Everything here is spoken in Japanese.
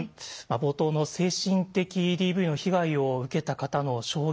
冒頭の精神的ＤＶの被害を受けた方の証言